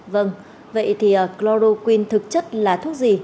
vâng vậy thì cloroquin thực chất là thuốc gì